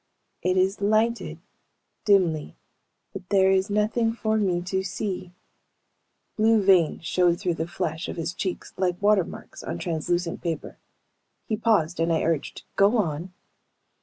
"It is lighted, dimly, but there is nothing for me to see." Blue veins showed through the flesh of his cheeks like watermarks on translucent paper. He paused and I urged, "Go on."